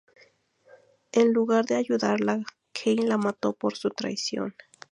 En lugar de ayudarla, Kain la mató por su traición.